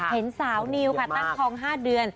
เห็นสาวนิวค่ะตั้งท้อง๕เดือน